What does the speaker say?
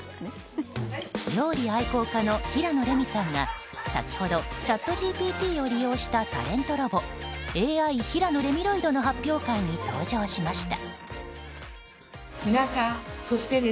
料理愛好家の平野レミさんが先ほど、ＣｈａｔＧＰＴを利用したタレントロボＡＩ平野レミロイドの発表会に登場しました。